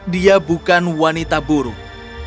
dia bukan wanita burung